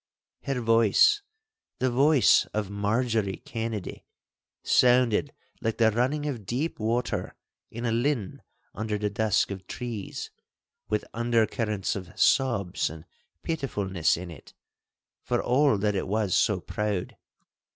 Her voice, the voice of Marjorie Kennedy, sounded like the running of deep water in a linn under the dusk of trees, with undercurrents of sobs and pitifulness in it, for all that it was so proud.